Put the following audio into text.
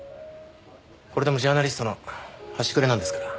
これでもジャーナリストの端くれなんですから。